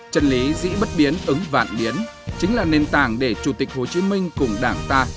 chân lý dĩ bất biến ứng vạn biến chính là nền tảng để chủ tịch hồ chí minh cùng đảng ta